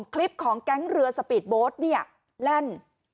คลิปของแก๊งเรือสปีดโบ๊ทเนี่ยแล่น